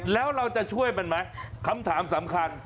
แล้วเราจะช่วยมันไหมคำถามสำคัญ